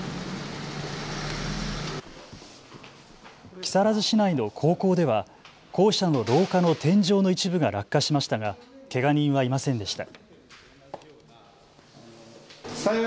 木更津市内の高校では校舎の廊下の天井の一部が落下しましたが、けが人はいませんでした。